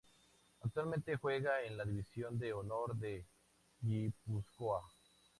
Actualmente juega en la División de Honor de Guipúzcoa.